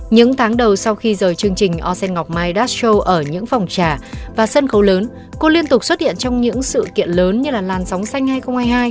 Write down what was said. những tháng đầu sau khi rời chương trình osen ngọc mai dash show ở những phòng trà và sân khấu lớn cô liên tục xuất hiện trong những sự kiện lớn như làn sóng xanh hai nghìn hai mươi hai